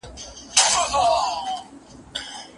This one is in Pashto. وايي اوس مړ يمه چې مړ شمه ژوندی به شمه